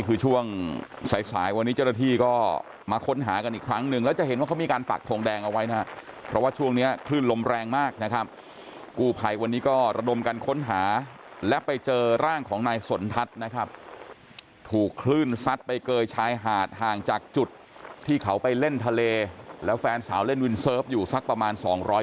คือช่วงสายสายวันนี้เจ้าหน้าที่ก็มาค้นหากันอีกครั้งหนึ่งแล้วจะเห็นว่าเขามีการปักทงแดงเอาไว้นะครับเพราะว่าช่วงนี้คลื่นลมแรงมากนะครับกู้ภัยวันนี้ก็ระดมกันค้นหาและไปเจอร่างของนายสนทัศน์นะครับถูกคลื่นซัดไปเกยชายหาดห่างจากจุดที่เขาไปเล่นทะเลแล้วแฟนสาวเล่นวินเซิร์ฟอยู่สักประมาณ๒๐๐